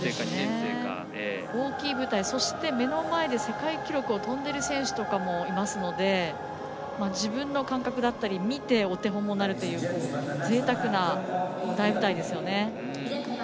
大きい舞台、そして目の前で世界記録を跳んでいる選手とかもいるので自分の感覚だったり見て、お手本にもなるというぜいたくな大舞台ですよね。